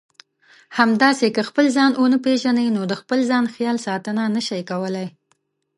همداسې که خپل ځان ونه پېژنئ نو د خپل ځان خیال ساتنه نشئ کولای.